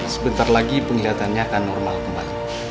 sebentar lagi penglihatannya akan normal kembali